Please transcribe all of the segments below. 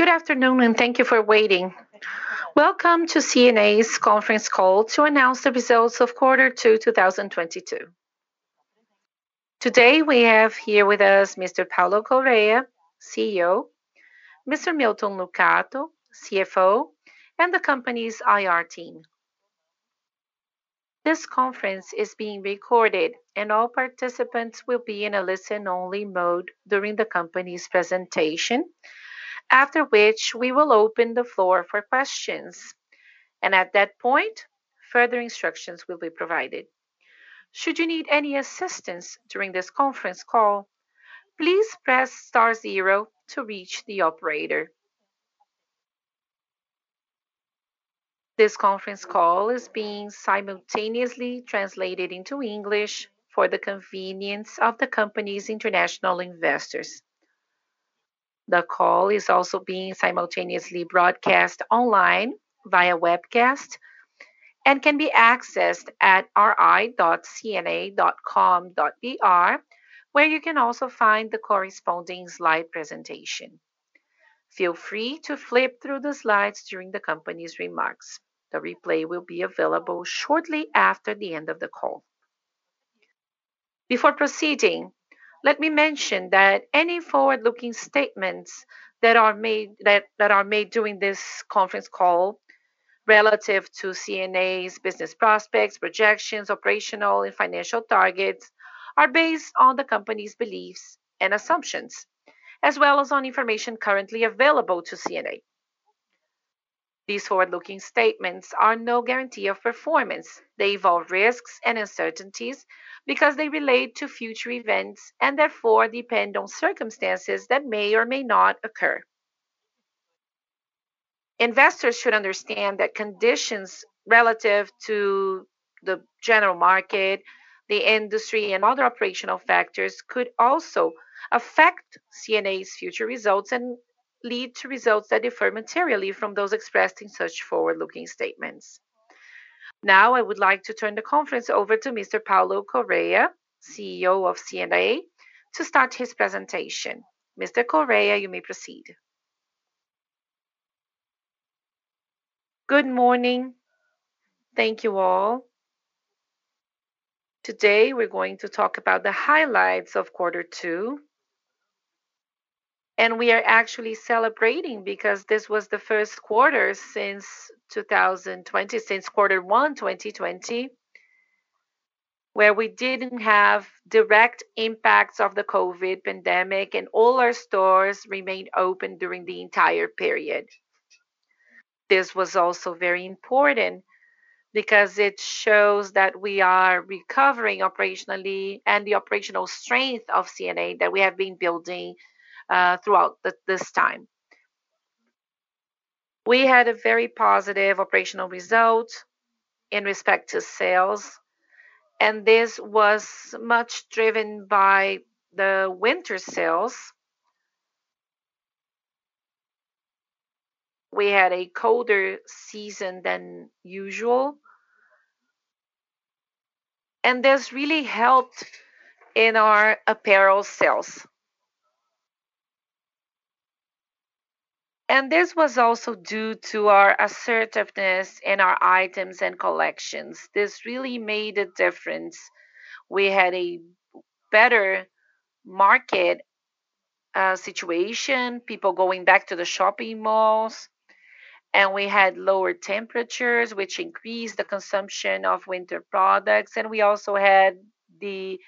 Good afternoon, and thank you for waiting. Welcome to C&A's Conference Call to announce the results of quarter two, 2022. Today, we have here with us Mr. Paulo Correa, CEO, Mr. Milton Lucato, CFO, and the company's IR team. This conference is being recorded, and all participants will be in a listen-only mode during the company's presentation. After which, we will open the floor for questions, and at that point, further instructions will be provided. Should you need any assistance during this conference call, please press star zero to reach the operator. This conference call is being simultaneously translated into English for the convenience of the company's international investors. The call is also being simultaneously broadcast online via webcast and can be accessed at ri.cea.com.br, where you can also find the corresponding slide presentation. Feel free to flip through the slides during the company's remarks. The replay will be available shortly after the end of the call. Before proceeding, let me mention that any forward-looking statements that are made during this conference call relative to C&A's business prospects, projections, operational and financial targets, are based on the company's beliefs and assumptions as well as on information currently available to C&A. These forward-looking statements are no guarantee of performance. They involve risks and uncertainties because they relate to future events and therefore depend on circumstances that may or may not occur. Investors should understand that conditions relative to the general market, the industry, and other operational factors could also affect C&A's future results and lead to results that differ materially from those expressed in such forward-looking statements. Now, I would like to turn the conference over to Mr. Paulo Correa Jr., CEO of C&A, to start his presentation. Mr. Correa, you may proceed. Good morning. Thank you, all. Today, we're going to talk about the highlights of quarter two. We are actually celebrating because this was the first quarter since 2020, since quarter one, 2020, where we didn't have direct impacts of the COVID pandemic, and all our stores remained open during the entire period. This was also very important because it shows that we are recovering operationally and the operational strength of C&A that we have been building throughout this time. We had a very positive operational result in respect to sales, and this was much driven by the winter sales. We had a colder season than usual, and this really helped in our apparel sales. This was also due to our assertiveness in our items and collections. This really made a difference. We had a better market situation, people going back to the shopping malls, and we had lower temperatures, which increased the consumption of winter products. We also had the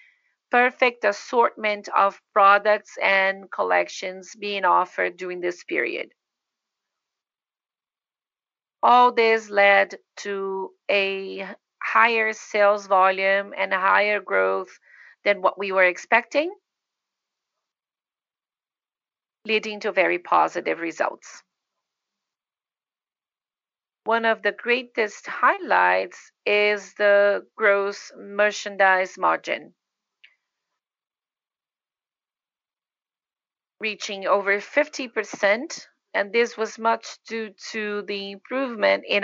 perfect assortment of products and collections being offered during this period. All this led to a higher sales volume and a higher growth than what we were expecting, leading to very positive results. One of the greatest highlights is the gross merchandise margin. Reaching over 50%, and this was much due to the improvement in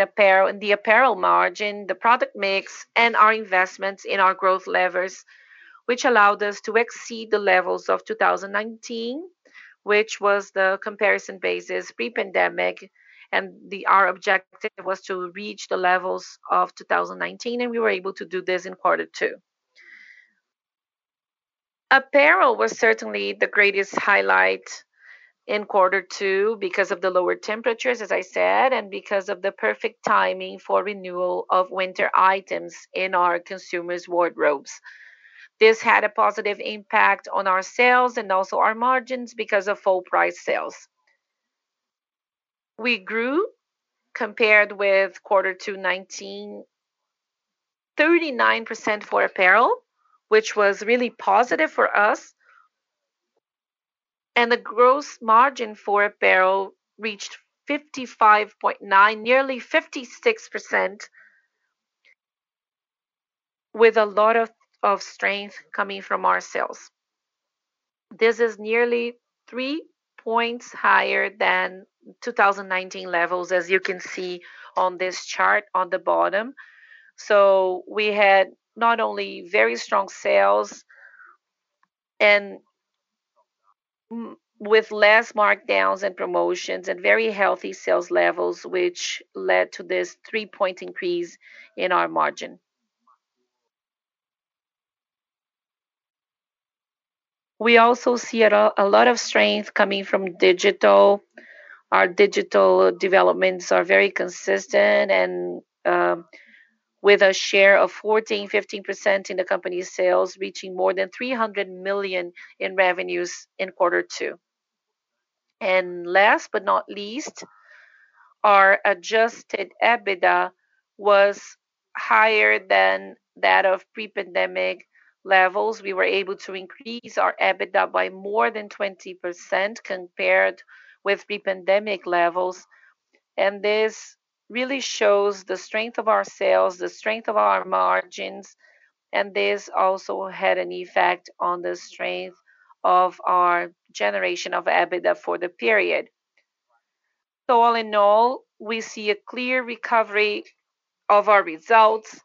the apparel margin, the product mix, and our investments in our growth levers, which allowed us to exceed the levels of 2019, which was the comparison basis pre-pandemic. Our objective was to reach the levels of 2019, and we were able to do this in quarter two. Apparel was certainly the greatest highlight in quarter two because of the lower temperatures, as I said, and because of the perfect timing for renewal of winter items in our consumers' wardrobes. This had a positive impact on our sales and also our margins because of full price sales. We grew compared with quarter two, 2019. 39% for apparel, which was really positive for us. The gross margin for apparel reached 55.9%, nearly 56% with a lot of strength coming from our sales. This is nearly three points higher than 2019 levels, as you can see on this chart on the bottom. We had not only very strong sales with less markdowns and promotions and very healthy sales levels, which led to this three-point increase in our margin. We also see a lot of strength coming from digital. Our digital developments are very consistent and with a share of 14%-15% in the company's sales, reaching more than 300 million in revenues in quarter two. Last but not least, our adjusted EBITDA was higher than that of pre-pandemic levels. We were able to increase our EBITDA by more than 20% compared with pre-pandemic levels. This really shows the strength of our sales, the strength of our margins, and this also had an effect on the strength of our generation of EBITDA for the period. All in all, we see a clear recovery of our results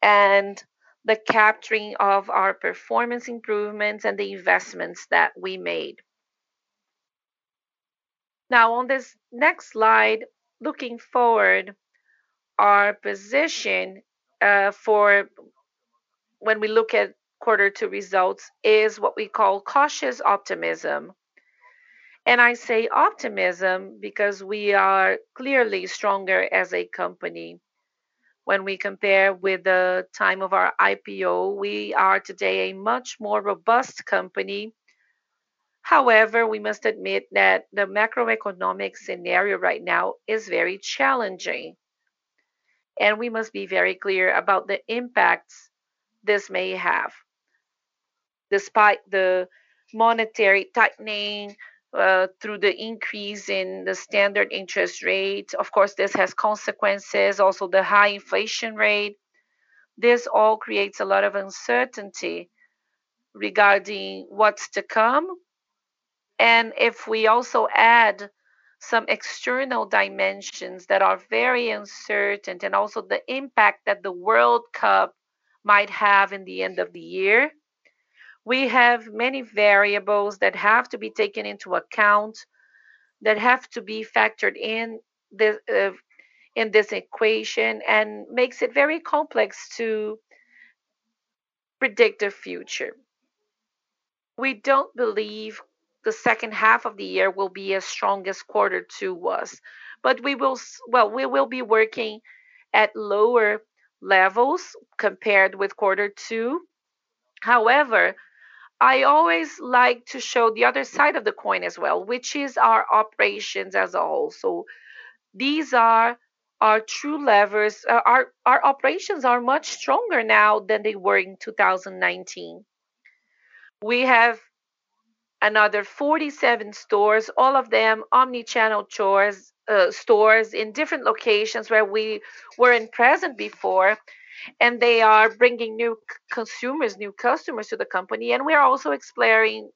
and the capturing of our performance improvements and the investments that we made. Now on this next slide, looking forward, our position for when we look at quarter two results is what we call cautious optimism. I say optimism because we are clearly stronger as a company. When we compare with the time of our IPO, we are today a much more robust company. However, we must admit that the macroeconomic scenario right now is very challenging, and we must be very clear about the impacts this may have. Despite the monetary tightening, through the increase in the standard interest rate, of course, this has consequences, also the high inflation rate. This all creates a lot of uncertainty regarding what's to come. If we also add some external dimensions that are very uncertain and also the impact that the World Cup might have in the end of the year, we have many variables that have to be taken into account, that have to be factored in in this equation and makes it very complex to predict the future. We don't believe the second half of the year will be as strong as quarter two was, but we will be working at lower levels compared with quarter two. However, I always like to show the other side of the coin as well, which is our operations as a whole. These are our true levers. Our operations are much stronger now than they were in 2019. We have another 47 stores, all of them omni-channel stores in different locations where we weren't present before, and they are bringing new consumers, new customers to the company, and we are also exploring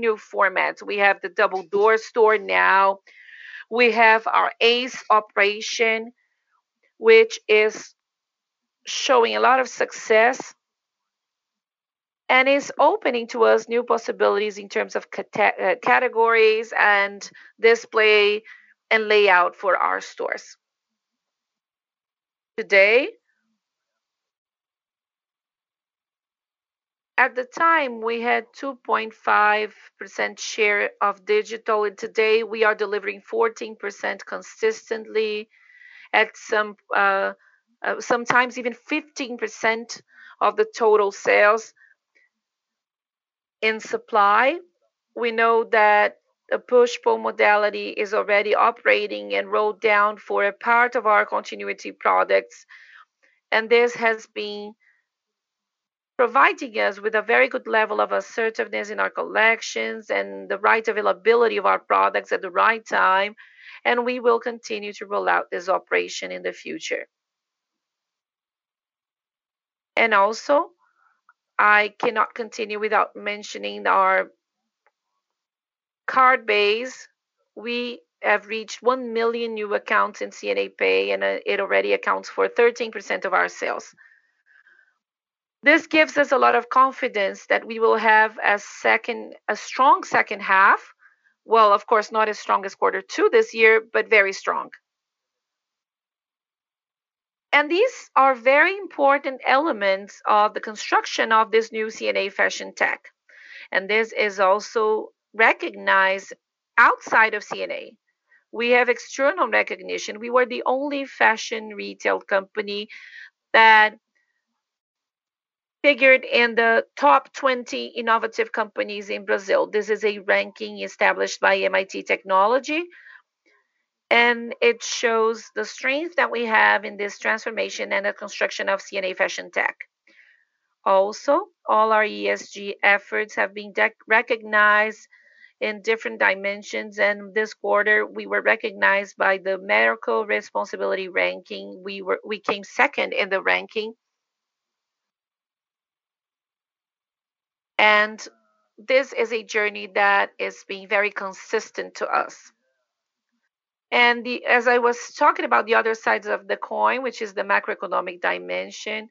new formats. We have the double door store now. We have our Ace operation, which is showing a lot of success, and is opening to us new possibilities in terms of categories and display and layout for our stores. At the time, we had 2.5% share of digital, and today we are delivering 14% consistently, sometimes even 15% of the total sales. In supply, we know that a push-pull modality is already operating and rolled out for a part of our continuity products. This has been providing us with a very good level of assertiveness in our collections and the right availability of our products at the right time, and we will continue to roll out this operation in the future. Also, I cannot continue without mentioning our card base. We have reached 1 million new accounts in C&A Pay, and it already accounts for 13% of our sales. This gives us a lot of confidence that we will have a strong second half. Well, of course, not as strong as quarter two this year, but very strong. These are very important elements of the construction of this new C&A Fashion Tech. This is also recognized outside of C&A. We have external recognition. We were the only fashion retail company that figured in the top 20 innovative companies in Brazil. This is a ranking established by MIT Technology, and it shows the strength that we have in this transformation and the construction of C&A Fashion Tech. Also, all our ESG efforts have been recognized in different dimensions. This quarter we were recognized by the Merco Responsabilidade ranking. We came second in the ranking. This is a journey that is being very consistent to us. As I was talking about the other sides of the coin, which is the macroeconomic dimension,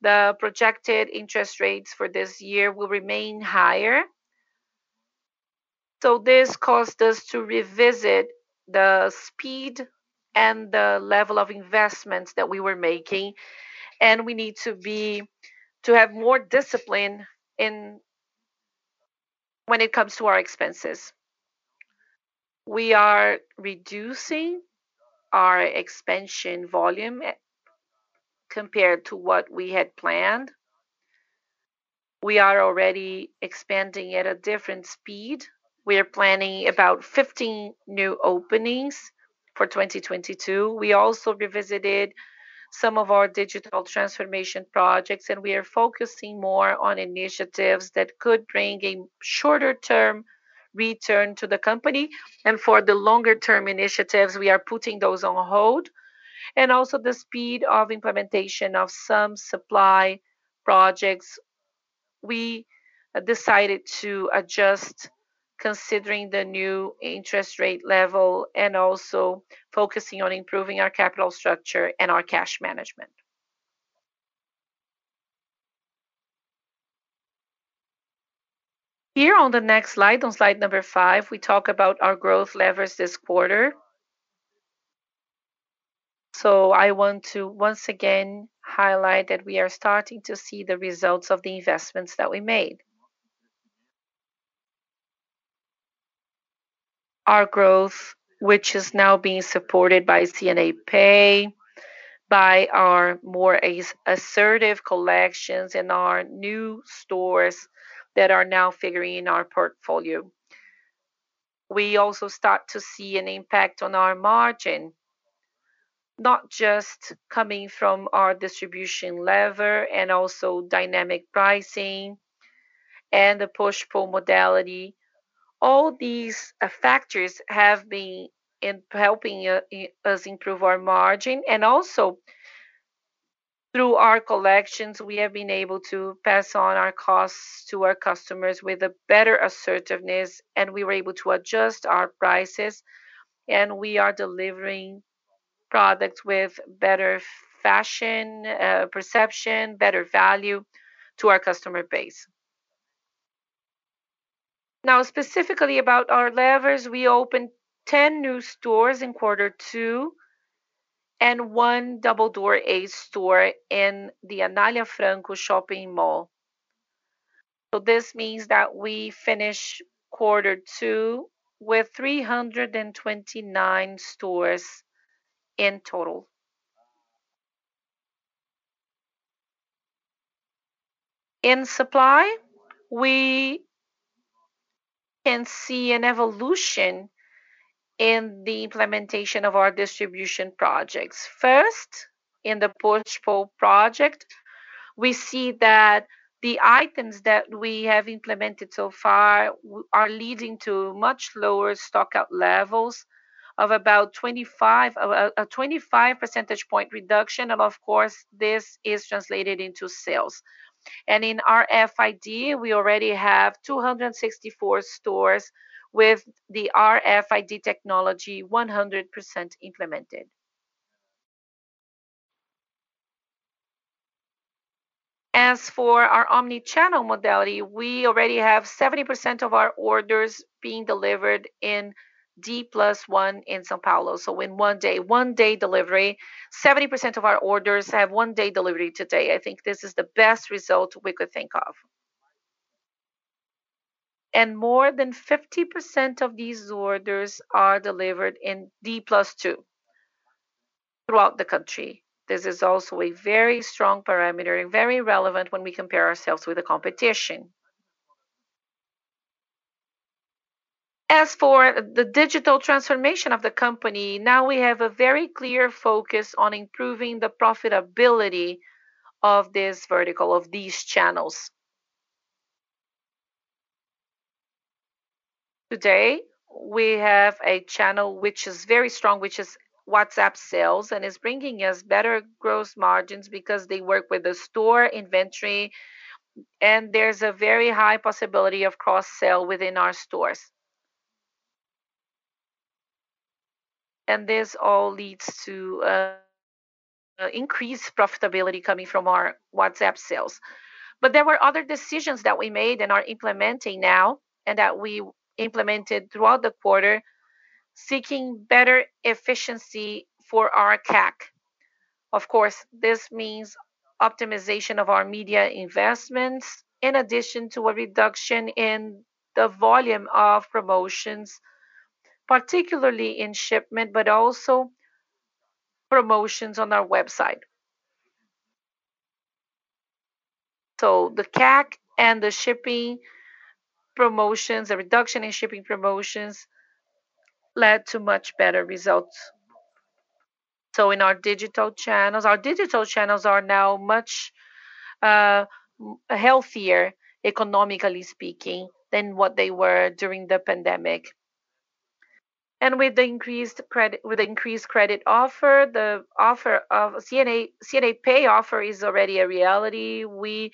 the projected interest rates for this year will remain higher. This caused us to revisit the speed and the level of investments that we were making, and we need to have more discipline when it comes to our expenses. We are reducing our expansion volume compared to what we had planned. We are already expanding at a different speed. We are planning about 15 new openings for 2022. We also revisited some of our digital transformation projects, and we are focusing more on initiatives that could bring a shorter term return to the company. For the longer-term initiatives, we are putting those on hold. Also the speed of implementation of some supply projects, we decided to adjust considering the new interest rate level and also focusing on improving our capital structure and our cash management. Here on the next slide, on slide number five, we talk about our growth levers this quarter. I want to once again highlight that we are starting to see the results of the investments that we made. Our growth, which is now being supported by C&A Pay, by our more assertive collections in our new stores that are now featuring our portfolio. We also start to see an impact on our margin, not just coming from our distribution lever and also dynamic pricing and the push-pull modality. All these factors have been helping us improve our margin and also through our collections, we have been able to pass on our costs to our customers with a better assertiveness, and we were able to adjust our prices, and we are delivering products with better fashion perception, better value to our customer base. Now, specifically about our levers, we opened 10 new stores in quarter two and one double door store in the Anália Franco Shopping Mall. This means that we finish quarter two with 329 stores in total. In supply, we can see an evolution in the implementation of our distribution projects. First, in the push-pull project, we see that the items that we have implemented so far are leading to much lower stockout levels of about 25. A 25 percentage point reduction, and of course, this is translated into sales. In RFID, we already have 264 stores with the RFID technology 100% implemented. As for our omni-channel modality, we already have 70% of our orders being delivered in D plus one in São Paulo. In one day. One day delivery. 70% of our orders have one day delivery today. I think this is the best result we could think of. More than 50% of these orders are delivered in D plus two throughout the country. This is also a very strong parameter and very relevant when we compare ourselves with the competition. As for the digital transformation of the company, now we have a very clear focus on improving the profitability of this vertical, of these channels. Today, we have a channel which is very strong, which is WhatsApp sales, and is bringing us better gross margins because they work with the store inventory, and there's a very high possibility of cross-sell within our stores. This all leads to increased profitability coming from our WhatsApp sales. There were other decisions that we made and are implementing now, and that we implemented throughout the quarter, seeking better efficiency for our CAC. Of course, this means optimization of our media investments in addition to a reduction in the volume of promotions, particularly in shipping, but also promotions on our website. The CAC and the shipping promotions, the reduction in shipping promotions led to much better results. In our digital channels, our digital channels are now much healthier, economically speaking, than what they were during the pandemic. With the increased credit offer, the C&A Pay offer is already a reality. We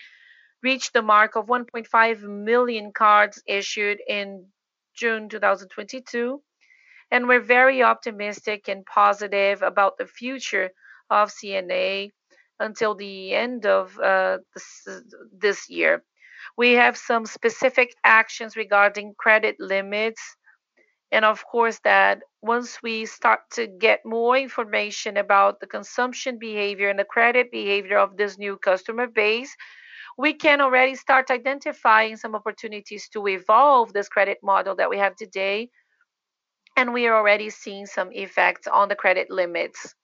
reached the mark of 1.5 million cards issued in June 2022, and we're very optimistic and positive about the future of C&A until the end of this year. We have some specific actions regarding credit limits and of course that once we start to get more information about the consumption behavior and the credit behavior of this new customer base, we can already start identifying some opportunities to evolve this credit model that we have today, and we are already seeing some effects on the credit limits.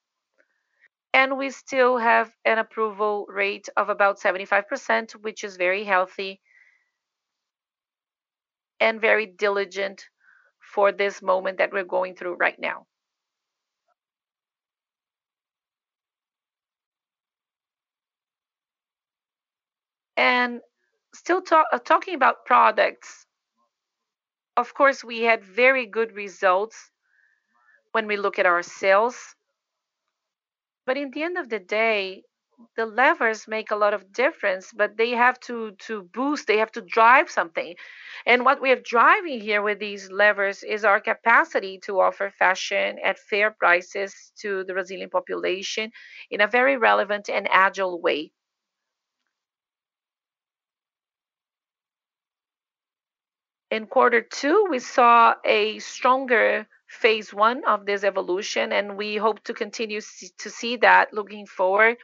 We still have an approval rate of about 75%, which is very healthy and very diligent for this moment that we're going through right now. Still talking about products, of course, we had very good results when we look at our sales. In the end of the day, the levers make a lot of difference, but they have to boost, they have to drive something. What we are driving here with these levers is our capacity to offer fashion at fair prices to the Brazilian population in a very relevant and agile way. In quarter two, we saw a stronger phase one of this evolution, and we hope to continue to see that looking forward.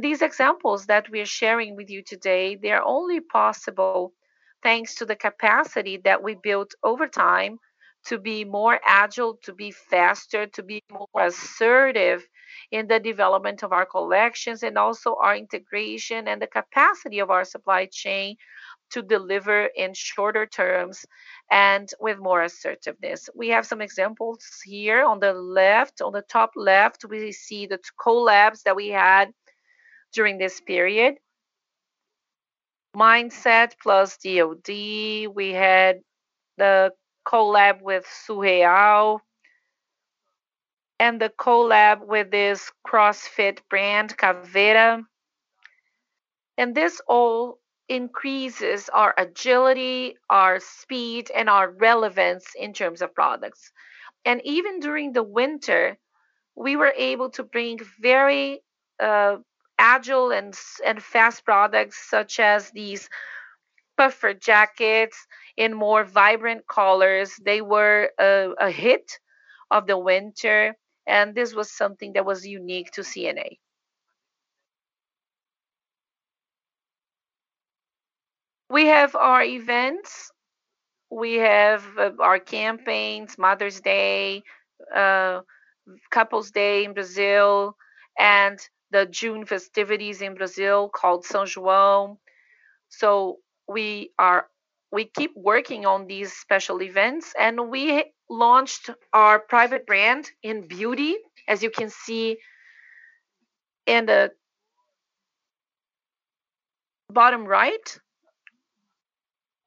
These examples that we are sharing with you today, they are only possible thanks to the capacity that we built over time to be more agile, to be faster, to be more assertive in the development of our collections and also our integration and the capacity of our supply chain to deliver in shorter terms and with more assertiveness. We have some examples here. On the top left, we see the collabs that we had during this period. Mindset plus DOD. We had the collab with Surreal and the collab with this CrossFit brand, Caveira. This all increases our agility, our speed, and our relevance in terms of products. Even during the winter, we were able to bring very agile and fast products such as these puffer jackets in more vibrant colors. They were a hit of the winter, and this was something that was unique to C&A. We have our events. We have our campaigns, Mother's Day, Couples Day in Brazil, and the June festivities in Brazil called São João. We keep working on these special events, and we launched our private brand in beauty,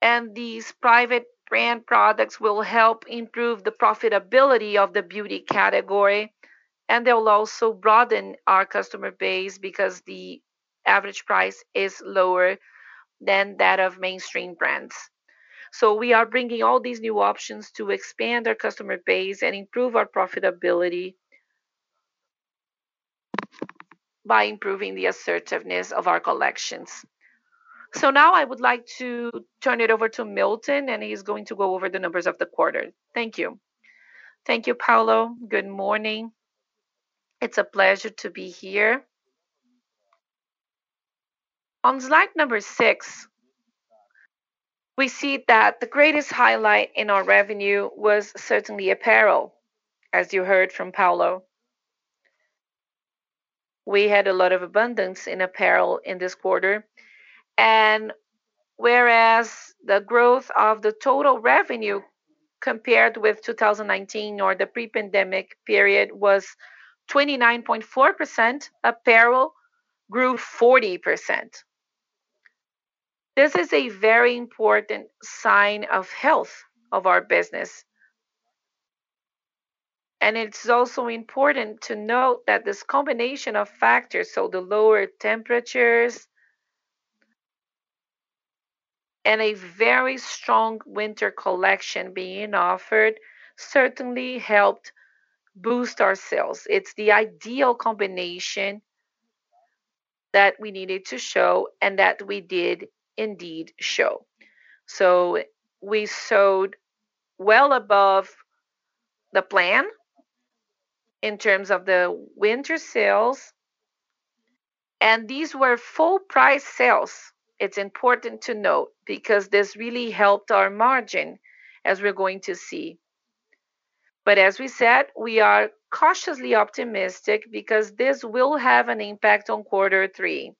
as you can see in the bottom right. These private brand products will help improve the profitability of the beauty category, and they'll also broaden our customer base because the average price is lower than that of mainstream brands. We are bringing all these new options to expand our customer base and improve our profitability by improving the assertiveness of our collections. Now I would like to turn it over to Milton, and he's going to go over the numbers of the quarter. Thank you. Thank you, Paulo. Good morning. It's a pleasure to be here. On slide number six, we see that the greatest highlight in our revenue was certainly apparel, as you heard from Paulo. We had a lot of abundance in apparel in this quarter, and whereas the growth of the total revenue compared with 2019 or the pre-pandemic period was 29.4%, apparel grew 40%. This is a very important sign of health of our business. It's also important to note that this combination of factors, so the lower temperatures and a very strong winter collection being offered certainly helped boost our sales. It's the ideal combination that we needed to show and that we did indeed show. We sold well above the plan in terms of the winter sales, and these were full price sales, it's important to note, because this really helped our margin, as we're going to see. As we said, we are cautiously optimistic because this will have an impact on quarter three.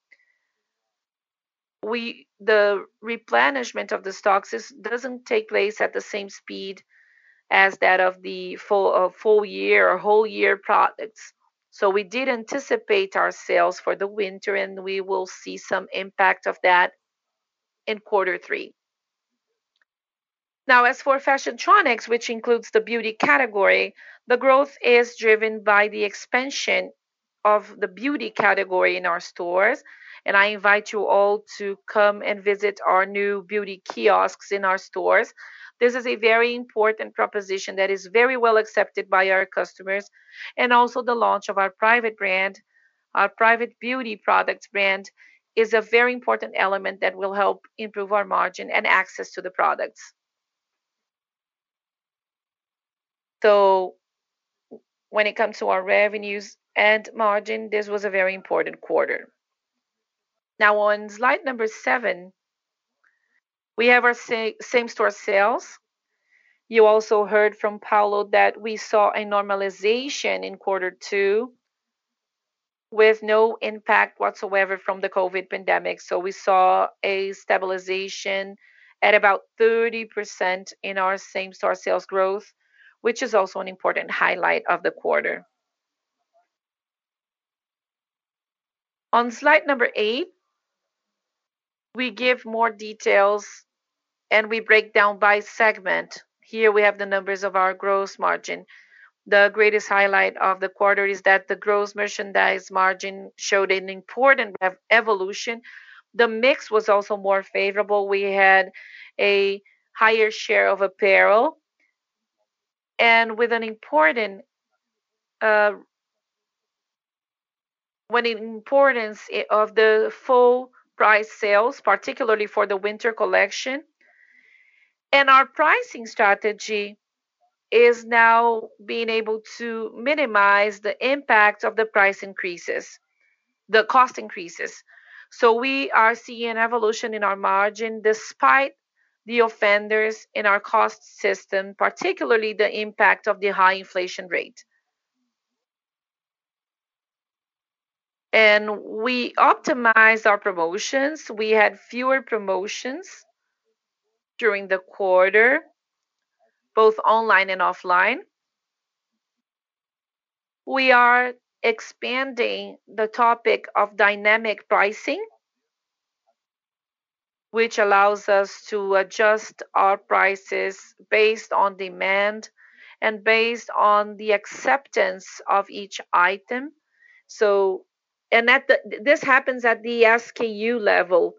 The replenishment of the stocks doesn't take place at the same speed as that of the full year or whole year products. We did anticipate our sales for the winter, and we will see some impact of that in quarter three. Now as for Fashiontronics, which includes the beauty category, the growth is driven by the expansion of the beauty category in our stores. I invite you all to come and visit our new beauty kiosks in our stores. This is a very important proposition that is very well accepted by our customers. Also the launch of our private brand, our private beauty products brand is a very important element that will help improve our margin and access to the products. When it comes to our revenues and margin, this was a very important quarter. Now on slide number seven, we have our same-store sales. You also heard from Paulo that we saw a normalization in quarter two with no impact whatsoever from the COVID pandemic. We saw a stabilization at about 30% in our same-store sales growth, which is also an important highlight of the quarter. On slide number eight, we give more details and we break down by segment. Here we have the numbers of our gross margin. The greatest highlight of the quarter is that the gross merchandise margin showed an important evolution. The mix was also more favorable. We had a higher share of apparel and with an importance of the full price sales, particularly for the winter collection. Our pricing strategy is now being able to minimize the impact of the price increases, the cost increases. We are seeing an evolution in our margin despite the headwinds in our cost system, particularly the impact of the high inflation rate. We optimized our promotions. We had fewer promotions during the quarter, both online and offline. We are expanding the topic of dynamic pricing, which allows us to adjust our prices based on demand and based on the acceptance of each item. This happens at the SKU level.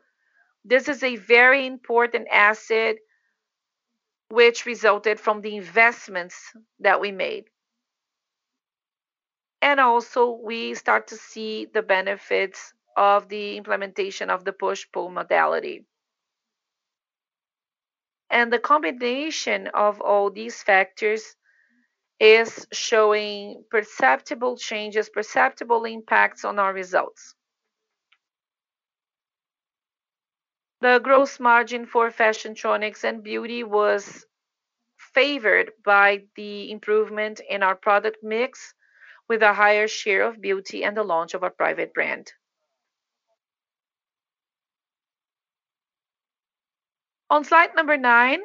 This is a very important asset which resulted from the investments that we made. We start to see the benefits of the implementation of the push-pull modality. The combination of all these factors is showing perceptible changes, perceptible impacts on our results. The gross margin for Fashiontronics and beauty was favored by the improvement in our product mix with a higher share of beauty and the launch of our private label. On slide number nine,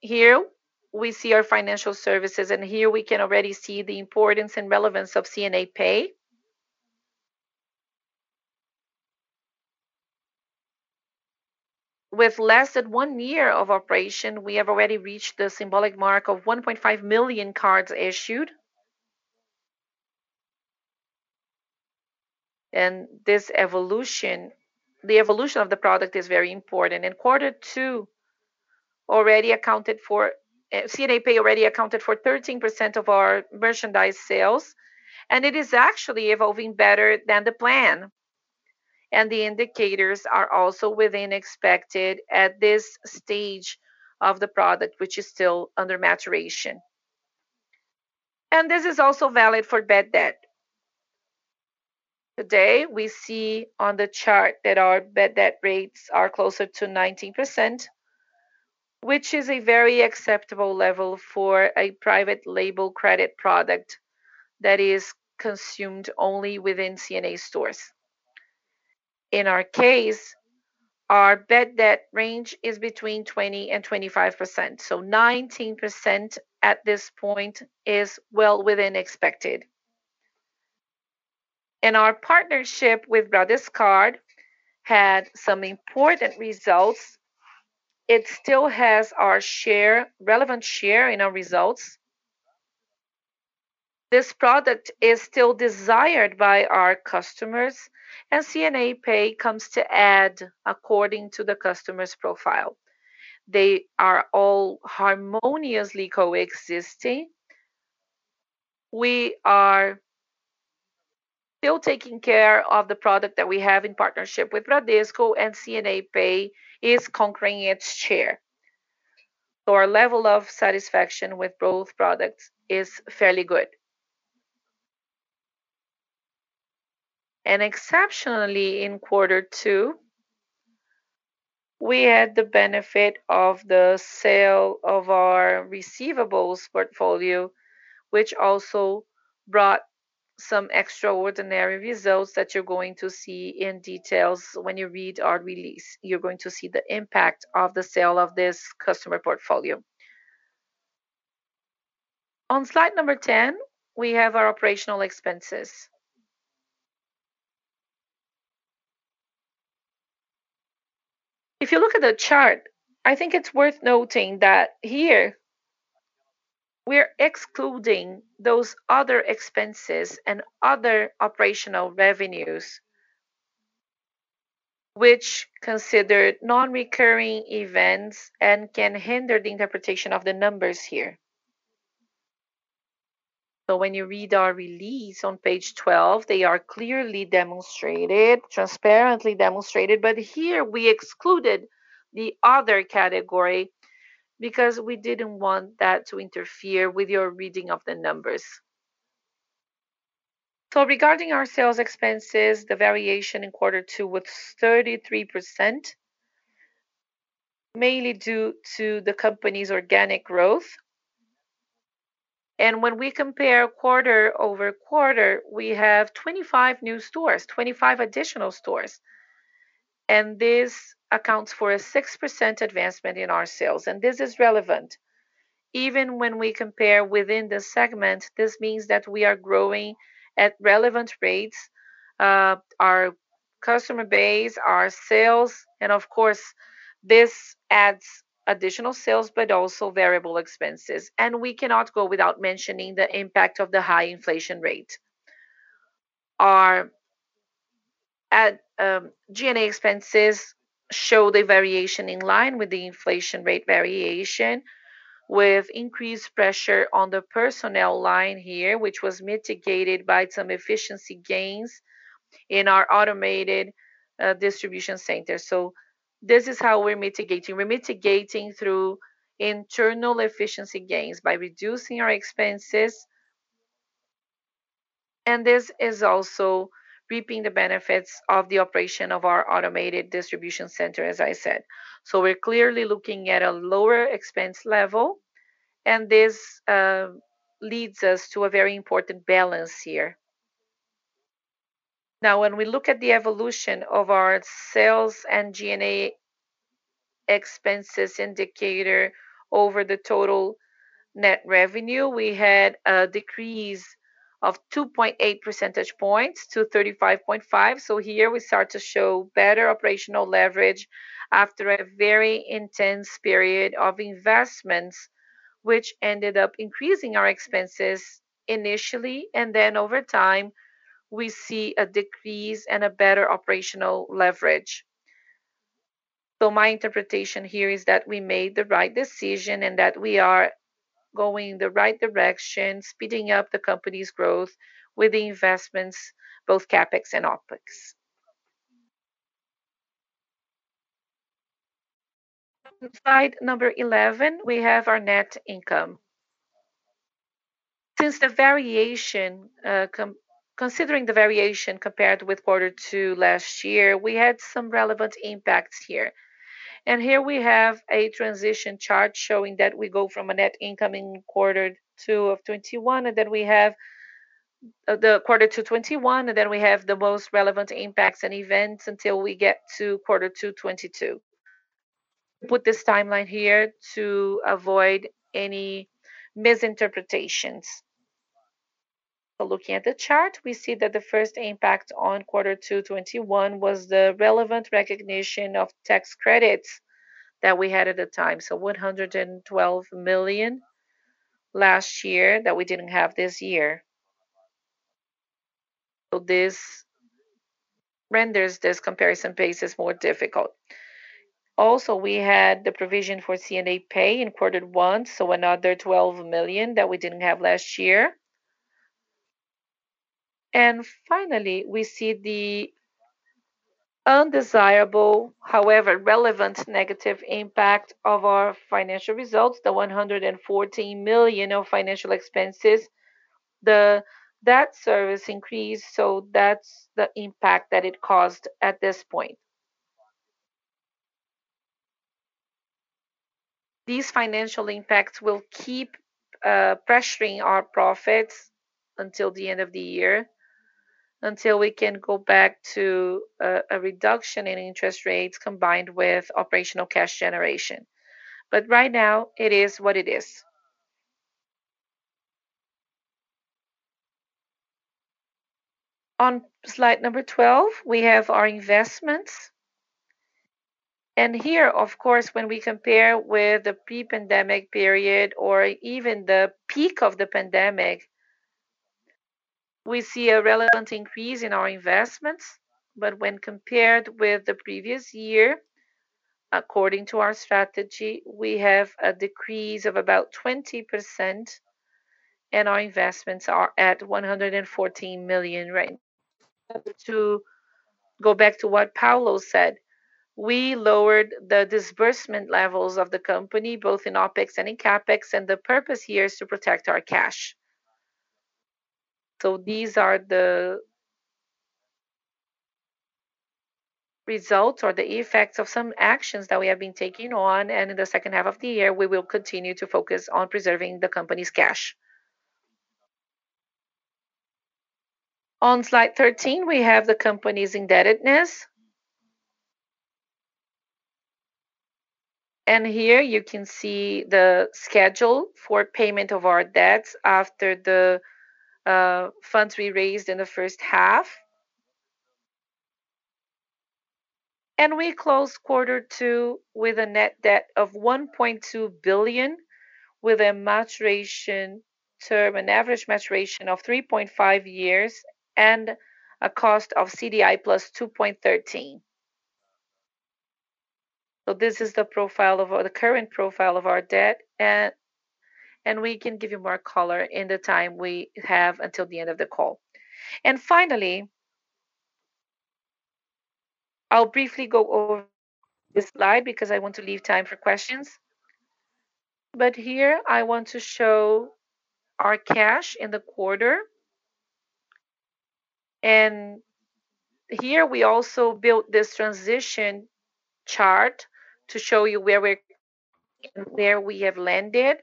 here we see our financial services, and here we can already see the importance and relevance of C&A Pay. With less than one year of operation, we have already reached the symbolic mark of 1.5 million cards issued. The evolution of the product is very important. In quarter two, C&A Pay already accounted for 13% of our merchandise sales, and it is actually evolving better than the plan. The indicators are also within expected at this stage of the product, which is still under maturation. This is also valid for bad debt. Today, we see on the chart that our bad debt rates are closer to 19%, which is a very acceptable level for a private label credit product that is consumed only within C&A stores. In our case, our bad debt range is between 20% and 25%. 19% at this point is well within expected. Our partnership with Bradescard had some important results. It still has our share, relevant share in our results. This product is still desired by our customers, and C&A Pay comes to add according to the customer's profile. They are all harmoniously coexisting. We are still taking care of the product that we have in partnership with Bradesco and C&A Pay is conquering its share. Our level of satisfaction with both products is fairly good. Exceptionally, in quarter two, we had the benefit of the sale of our receivables portfolio, which also brought some extraordinary results that you're going to see in details when you read our release. You're going to see the impact of the sale of this customer portfolio. On slide number 10, we have our operational expenses. If you look at the chart, I think it's worth noting that here we're excluding those other expenses and other operational revenues which considered non-recurring events and can hinder the interpretation of the numbers here. When you read our release on page 12, they are clearly demonstrated, transparently demonstrated. Here we excluded the other category because we didn't want that to interfere with your reading of the numbers. Regarding our sales expenses, the variation in quarter two was 33%, mainly due to the company's organic growth. When we compare quarter-over-quarter, we have 25 new stores, 25 additional stores, and this accounts for a 6% advancement in our sales. This is relevant even when we compare within the segment. This means that we are growing at relevant rates, our customer base, our sales, and of course, this adds additional sales but also variable expenses. We cannot go without mentioning the impact of the high inflation rate. Our G&A expenses show the variation in line with the inflation rate variation with increased pressure on the personnel line here, which was mitigated by some efficiency gains in our automated distribution center. This is how we're mitigating. We're mitigating through internal efficiency gains by reducing our expenses, and this is also reaping the benefits of the operation of our automated distribution center, as I said. We're clearly looking at a lower expense level and this leads us to a very important balance here. Now, when we look at the evolution of our sales and G&A expenses indicator over the total net revenue, we had a decrease of 2.8 percentage points to 35.5. Here we start to show better operational leverage after a very intense period of investments, which ended up increasing our expenses initially, and then over time we see a decrease and a better operational leverage. My interpretation here is that we made the right decision and that we are going the right direction, speeding up the company's growth with the investments, both CapEx and OpEx. On slide number 11, we have our net income. Considering the variation compared with quarter two last year, we had some relevant impacts here. Here we have a transition chart showing that we go from a net income in quarter two of 2021, then we have the most relevant impacts and events until we get to quarter two of 2022. Put this timeline here to avoid any misinterpretations. Looking at the chart, we see that the first impact on quarter two of 2021 was the relevant recognition of tax credits that we had at the time. 112 million last year that we didn't have this year. This renders these comparison bases more difficult. Also, we had the provision for C&A Pay in quarter one, so another 12 million that we didn't have last year. Finally, we see the undesirable, however relevant negative impact of our financial results, the 114 million of financial expenses, the Selic increase. That's the impact that it caused at this point. These financial impacts will keep pressuring our profits until the end of the year, until we can go back to a reduction in interest rates combined with operational cash generation. Right now it is what it is. On slide number 12, we have our investments. Here of course when we compare with the pre-pandemic period or even the peak of the pandemic, we see a relevant increase in our investments. When compared with the previous year, according to our strategy, we have a decrease of about 20% and our investments are at 114 million right now. To go back to what Paulo said, we lowered the disbursement levels of the company both in OpEx and in CapEx, and the purpose here is to protect our cash. These are the results or the effects of some actions that we have been taking on. In the second half of the year, we will continue to focus on preserving the company's cash. On slide 13, we have the company's indebtedness. Here you can see the schedule for payment of our debts after the funds we raised in the first half. We closed quarter two with a net debt of 1.2 billion, with a maturation term, an average maturation of three and half years and a cost of CDI plus 2.13%. This is the profile of our, the current profile of our debt and we can give you more color in the time we have until the end of the call. Finally, I'll briefly go over this slide because I want to leave time for questions. Here I want to show our cash in the quarter. Here we also built this transition chart to show you where we have landed.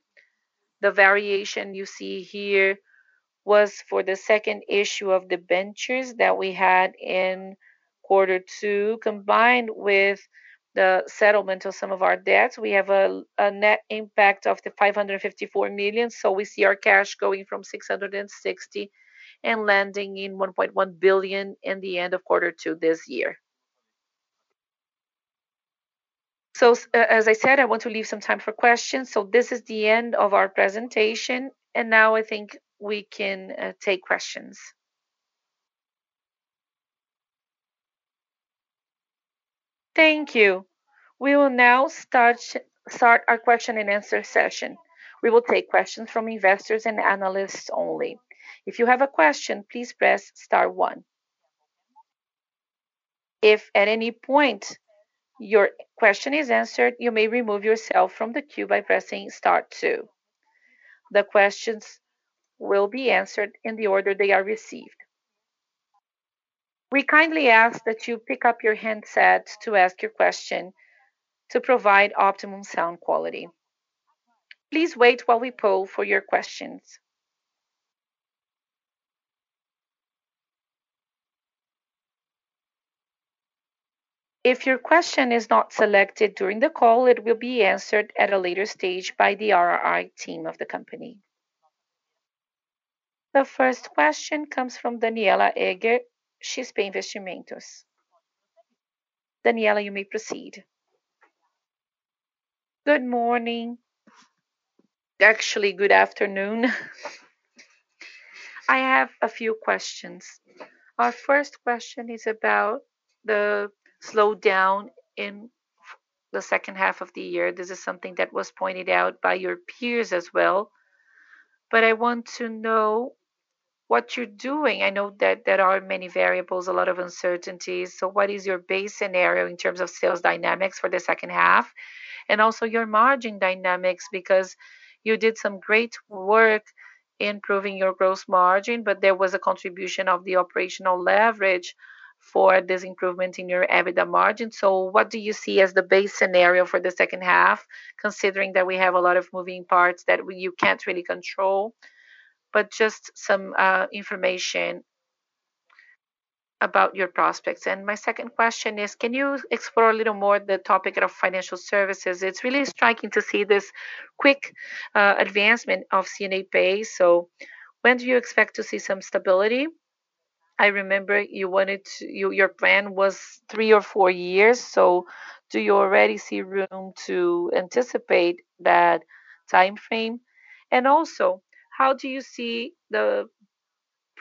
The variation you see here was for the second issue of debentures that we had in quarter two, combined with the settlement of some of our debts. We have a net impact of 554 million. We see our cash going from 660 million and landing in 1.1 billion in the end of quarter two this year. As I said, I want to leave some time for questions. This is the end of our presentation, and now I think we can take questions. Thank you. We will now start our question and answer session. We will take questions from investors and analysts only. If you have a question, please press star one. If at any point your question is answered, you may remove yourself from the queue by pressing star two. The questions will be answered in the order they are received. We kindly ask that you pick up your handsets to ask your question to provide optimum sound quality. Please wait while we poll for your questions. If your question is not selected during the call, it will be answered at a later stage by the IR team of the company. The first question comes from Danniela Eiger. She's XP Investimentos. Danniela, you may proceed. Good morning. Actually, good afternoon. I have a few questions. Our first question is about the slowdown in the second half of the year. This is something that was pointed out by your peers as well. I want to know what you're doing. I know that there are many variables, a lot of uncertainties. What is your base scenario in terms of sales dynamics for the second half and also your margin dynamics? Because you did some great work improving your gross margin, but there was a contribution of the operational leverage for this improvement in your EBITDA margin. What do you see as the base scenario for the second half, considering that we have a lot of moving parts that you can't really control, but just some information about your prospects. My second question is, can you explore a little more the topic of financial services? It's really striking to see this quick advancement of C&A Pay. When do you expect to see some stability? I remember your plan was three or four years. Do you already see room to anticipate that timeframe? Also, how do you see the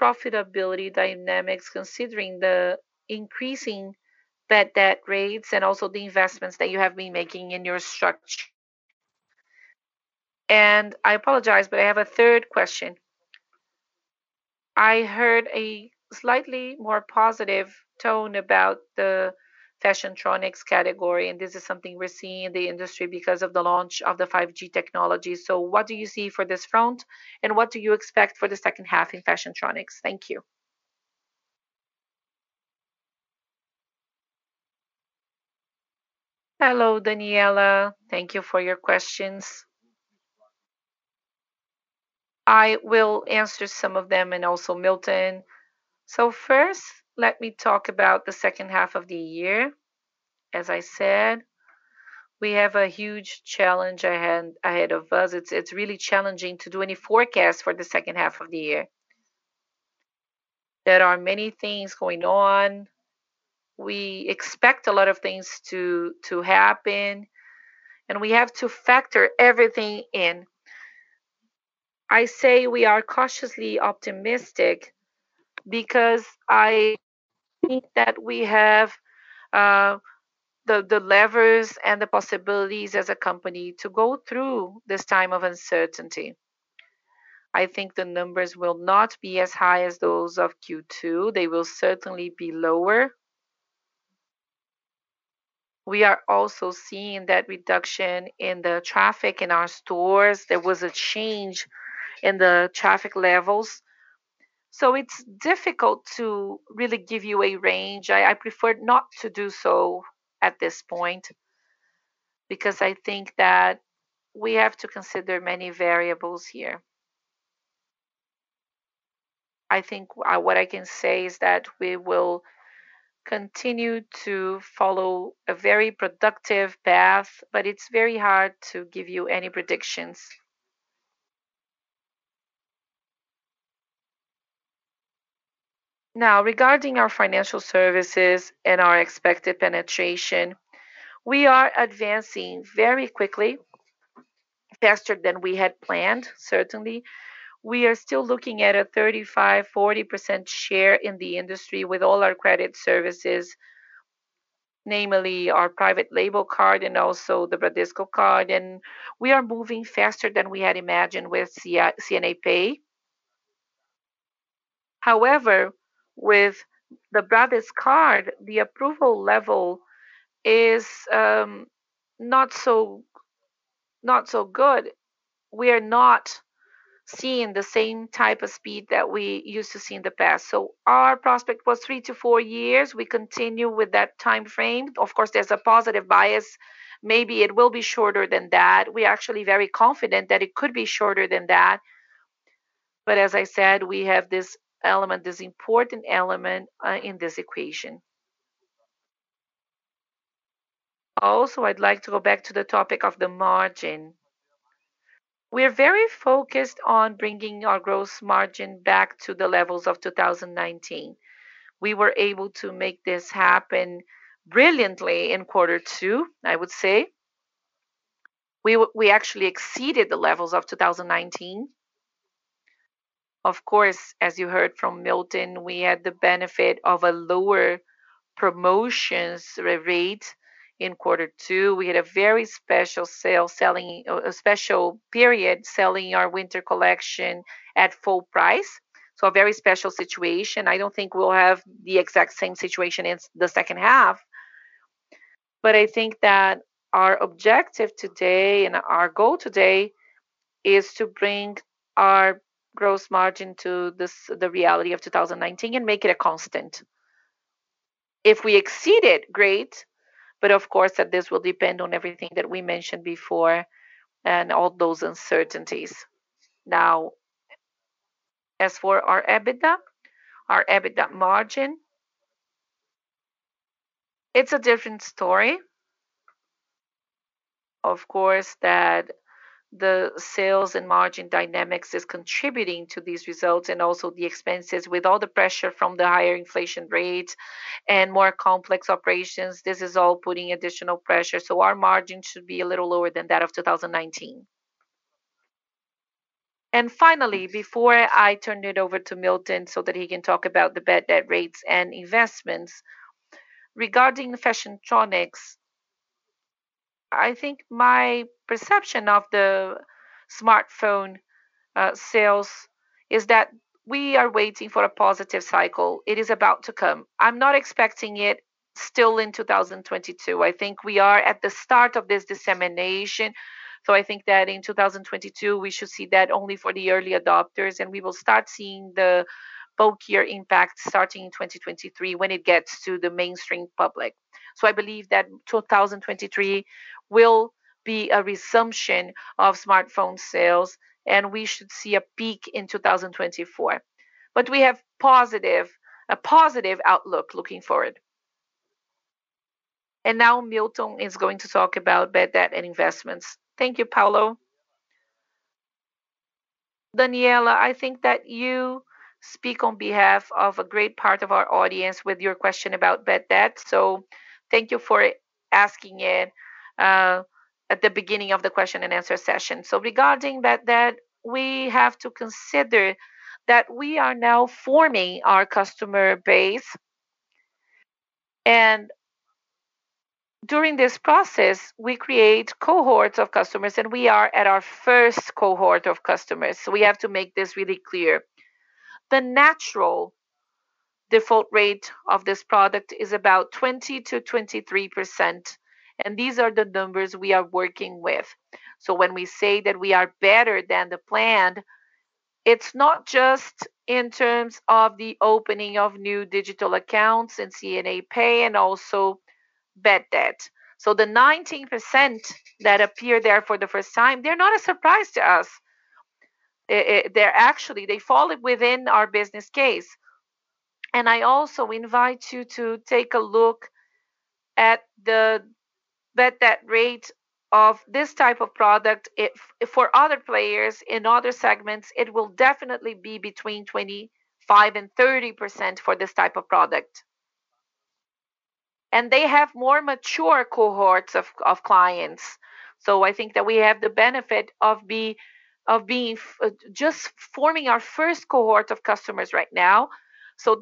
profitability dynamics considering the increasing bad debt rates and also the investments that you have been making in your structure? I apologize, but I have a third question. I heard a slightly more positive tone about the Fashiontronics category, and this is something we're seeing in the industry because of the launch of the 5G technology. What do you see for this front, and what do you expect for the second half in Fashiontronics? Thank you. Hello, Danniela. Thank you for your questions. I will answer some of them, and also Milton. First, let me talk about the second half of the year. As I said, we have a huge challenge ahead of us. It's really challenging to do any forecast for the second half of the year. There are many things going on. We expect a lot of things to happen, and we have to factor everything in. I say we are cautiously optimistic because I think that we have the levers and the possibilities as a company to go through this time of uncertainty. I think the numbers will not be as high as those of Q2. They will certainly be lower. We are also seeing that reduction in the traffic in our stores. There was a change in the traffic levels. It's difficult to really give you a range. I prefer not to do so at this point because I think that we have to consider many variables here. I think what I can say is that we will continue to follow a very productive path, but it's very hard to give you any predictions. Now, regarding our financial services and our expected penetration, we are advancing very quickly, faster than we had planned, certainly. We are still looking at a 35%-40% share in the industry with all our credit services, namely our private label card and also the Bradesco card. We are moving faster than we had imagined with C&A Pay. However, with the Bradescard, the approval level is not so good. We are not seeing the same type of speed that we used to see in the past. Our prospect was three to four years. We continue with that timeframe. Of course, there's a positive bias. Maybe it will be shorter than that. We're actually very confident that it could be shorter than that. as I said, we have this element, this important element, in this equation. Also, I'd like to go back to the topic of the margin. We're very focused on bringing our gross margin back to the levels of 2019. We were able to make this happen brilliantly in quarter two, I would say. We actually exceeded the levels of 2019. Of course, as you heard from Milton, we had the benefit of a lower promotions rate in quarter two. We had a very special sale, a special period selling our winter collection at full price. A very special situation. I don't think we'll have the exact same situation in the second half. I think that our objective today and our goal today is to bring our gross margin to the reality of 2019 and make it a constant. If we exceed it, great. Of course, that this will depend on everything that we mentioned before and all those uncertainties. Now, as for our EBITDA, our EBITDA margin, it's a different story. Of course, that the sales and margin dynamics is contributing to these results and also the expenses. With all the pressure from the higher inflation rates and more complex operations, this is all putting additional pressure. Our margin should be a little lower than that of 2019. Finally, before I turn it over to Milton so that he can talk about the bad debt rates and investments. Regarding Fashiontronics, I think my perception of the smartphone sales is that we are waiting for a positive cycle. It is about to come. I'm not expecting it still in 2022. I think we are at the start of this dissemination. I think that in 2022, we should see that only for the early adopters, and we will start seeing the bulkier impact starting in 2023 when it gets to the mainstream public. I believe that 2023 will be a resumption of smartphone sales, and we should see a peak in 2024. We have a positive outlook looking forward. Now Milton is going to talk about bad debt and investments. Thank you, Paulo. Danniela, I think that you speak on behalf of a great part of our audience with your question about bad debt. Thank you for asking it at the beginning of the question and answer session. Regarding bad debt, we have to consider that we are now forming our customer base. During this process, we create cohorts of customers, and we are at our first cohort of customers. We have to make this really clear. The natural default rate of this product is about 20%-23%, and these are the numbers we are working with. When we say that we are better than the plan, it's not just in terms of the opening of new digital accounts and C&A Pay and also bad debt. The 19% that appear there for the first time, they're not a surprise to us. They're actually. They fall within our business case. I also invite you to take a look at the bad debt rate of this type of product. For other players in other segments, it will definitely be between 25% and 30% for this type of product. They have more mature cohorts of clients. I think that we have the benefit of being just forming our first cohort of customers right now.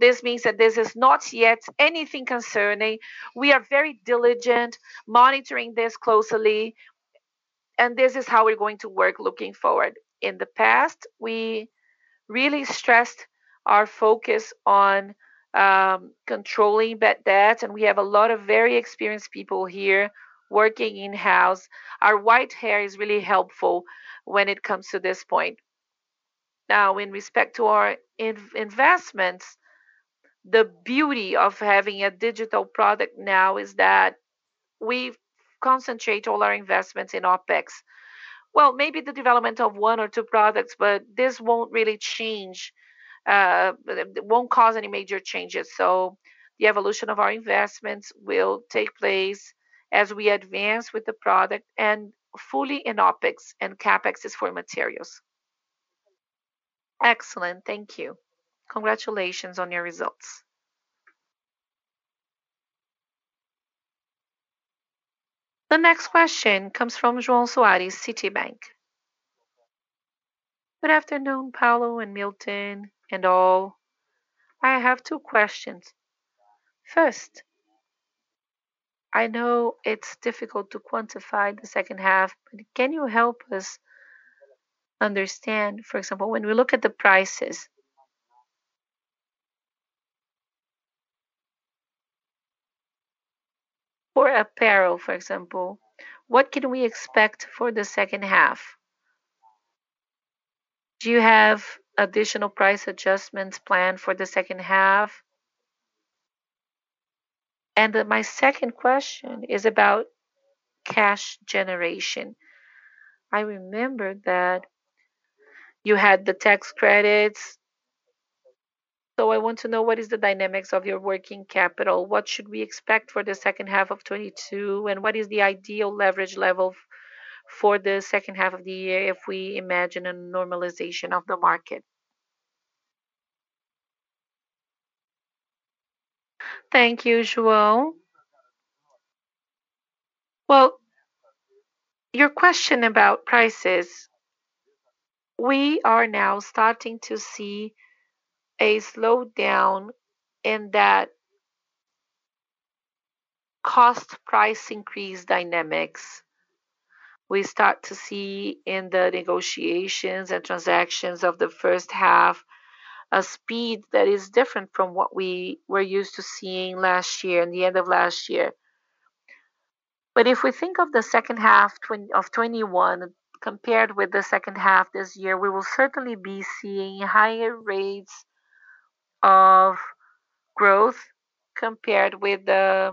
This means that this is not yet anything concerning. We are very diligent monitoring this closely, and this is how we're going to work looking forward. In the past, we really stressed our focus on controlling bad debt, and we have a lot of very experienced people here working in-house. Our white hair is really helpful when it comes to this point. Now, in respect to our investments. The beauty of having a digital product now is that we concentrate all our investments in OpEx. Well, maybe the development of one or two products, but this won't really change, it won't cause any major changes. The evolution of our investments will take place as we advance with the product and fully in OpEx and CapEx is for materials. Excellent. Thank you. Congratulations on your results. The next question comes from João Soares, Citibank. Good afternoon, Paulo and Milton and all. I have two questions. First, I know it's difficult to quantify the second half, but can you help us understand, for example, when we look at the prices for apparel, for example, what can we expect for the second half? Do you have additional price adjustments planned for the second half? My second question is about cash generation. I remember that you had the tax credits. I want to know what is the dynamics of your working capital? What should we expect for the second half of 2022, and what is the ideal leverage level for the second half of the year if we imagine a normalization of the market? Thank you, João. Well, your question about prices, we are now starting to see a slowdown in that cost price increase dynamics. We start to see in the negotiations and transactions of the first half a speed that is different from what we were used to seeing last year and the end of last year. If we think of the second half of 2021 compared with the second half this year, we will certainly be seeing higher rates of growth compared with the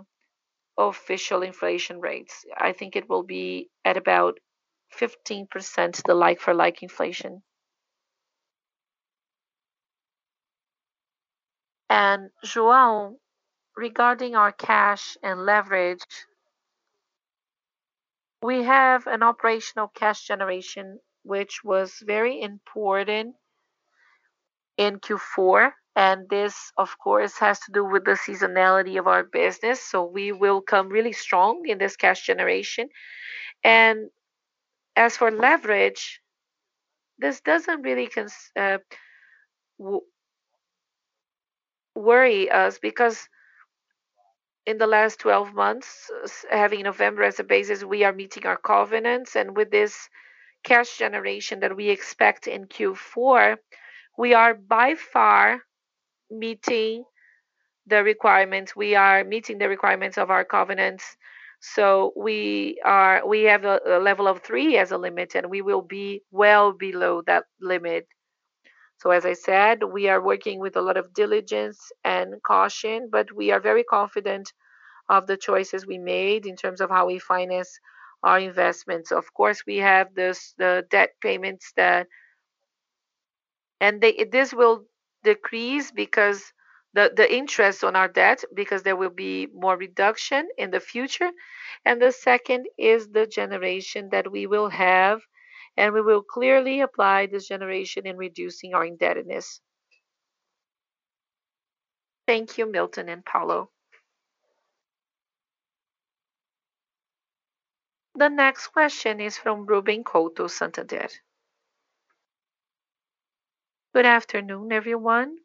official inflation rates. I think it will be at about 15%, the like-for-like inflation. João, regarding our cash and leverage, we have an operational cash generation which was very important in Q4, and this of course has to do with the seasonality of our business. We will come really strong in this cash generation. As for leverage, this doesn't really worry us because in the last 12 months, having November as a basis, we are meeting our covenants. With this cash generation that we expect in Q4, we are by far meeting the requirements. We are meeting the requirements of our covenants. We have a level of three as a limit, and we will be well below that limit. As I said, we are working with a lot of diligence and caution, but we are very confident of the choices we made in terms of how we finance our investments. Of course, we have the debt payments that this will decrease because the interest on our debt, because there will be more reduction in the future. The second is the generation that we will have, and we will clearly apply this generation in reducing our indebtedness. Thank you, Milton Lucato and Paulo Correa. The next question is from Ruben Couto, Santander. Good afternoon, everyone.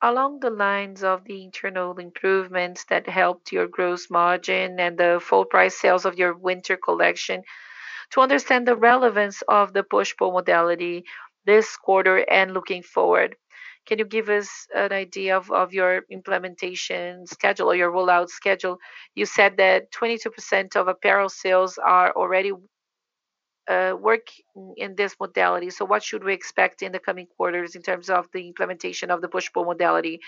Along the lines of the internal improvements that helped your gross margin and the full price sales of your winter collection. To understand the relevance of the push-pull modality this quarter and looking forward, can you give us an idea of your implementation schedule or your rollout schedule? You said that 22% of apparel sales are already working in this modality. So what should we expect in the coming quarters in terms of the implementation of the push-pull modality?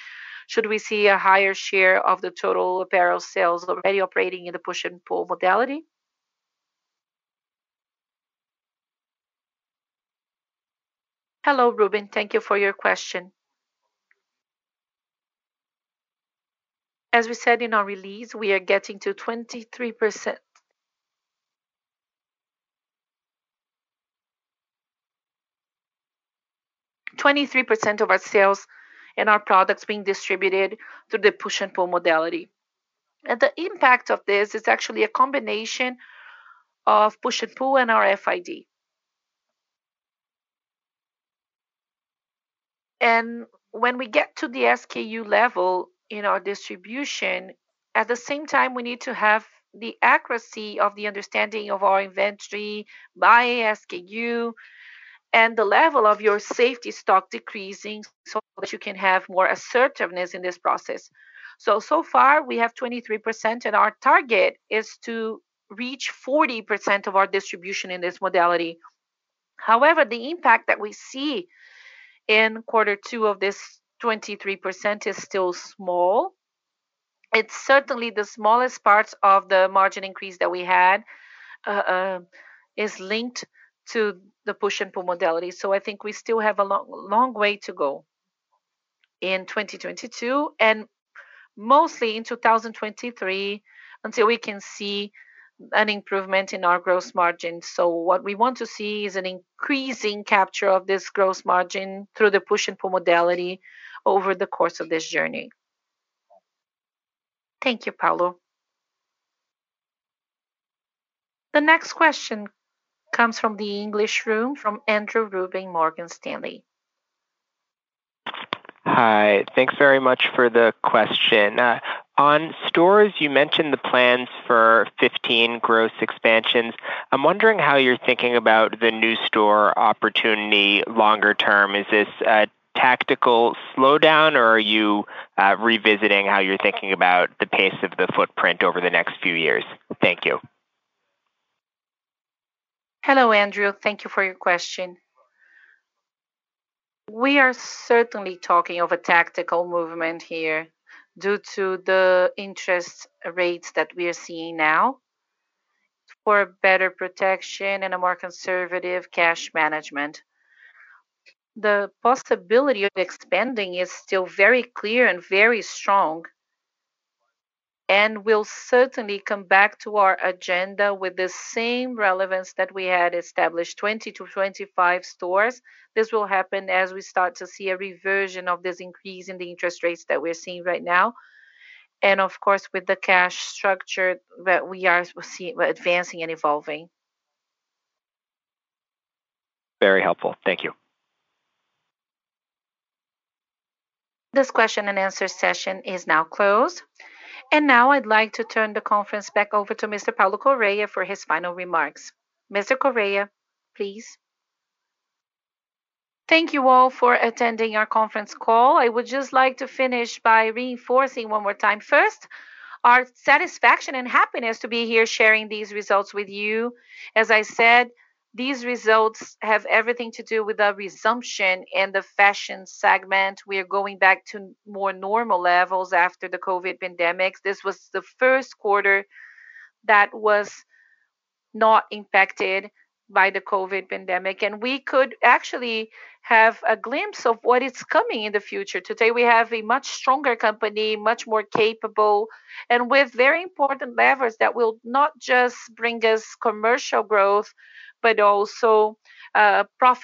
Should we see a higher share of the total apparel sales already operating in the push-pull modality? Hello, Ruben. Thank you for your question. As we said in our release, we are getting to 23%. 23% of our sales and our products being distributed through the push-pull modality. The impact of this is actually a combination of push-pull and our RFID. When we get to the SKU level in our distribution, at the same time we need to have the accuracy of the understanding of our inventory by SKU and the level of your safety stock decreasing so that you can have more assertiveness in this process. So far we have 23%, and our target is to reach 40% of our distribution in this modality. However, the impact that we see in quarter two of this 23% is still small. It's certainly the smallest parts of the margin increase that we had is linked to the push-pull modality. I think we still have a long way to go in 2022, and mostly in 2023, until we can see an improvement in our gross margin. What we want to see is an increasing capture of this gross margin through the push-pull modality over the course of this journey. Thank you, Paulo. The next question comes from the English room, from Andrew Ruben, Morgan Stanley. Hi. Thanks very much for the question. On stores, you mentioned the plans for 15 growth expansions. I'm wondering how you're thinking about the new store opportunity longer term. Is this a tactical slowdown, or are you revisiting how you're thinking about the pace of the footprint over the next few years? Thank you. Hello, Andrew. Thank you for your question. We are certainly talking of a tactical movement here due to the interest rates that we are seeing now for better protection and a more conservative cash management. The possibility of expanding is still very clear and very strong, and will certainly come back to our agenda with the same relevance that we had established 20-25 stores. This will happen as we start to see a reversion of this increase in the interest rates that we're seeing right now, and of course, with the cash structure that we are advancing and evolving. Very helpful. Thank you. This question and answer session is now closed. Now I'd like to turn the conference back over to Mr. Paulo Correa Jr. for his final remarks. Mr. Correa Jr., please. Thank you all for attending our conference call. I would just like to finish by reinforcing one more time, first, our satisfaction and happiness to be here sharing these results with you. As I said, these results have everything to do with the resumption in the fashion segment. We are going back to more normal levels after the COVID pandemic. This was the first quarter that was not impacted by the COVID pandemic, and we could actually have a glimpse of what is coming in the future. Today, we have a much stronger company, much more capable, and with very important levers that will not just bring us commercial growth, but also profit.